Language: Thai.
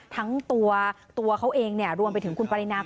ทั้งตัวเขาเองรวมไปถึงคุณปรินา